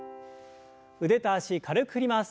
腕と脚軽く振ります。